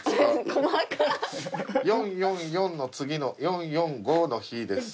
「４４４の次の４４５の日です」